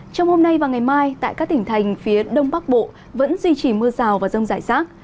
trong hôm nay và ngày mai tại các tỉnh thành phía đông bắc bộ vẫn duy trì mưa rào và rông rải rác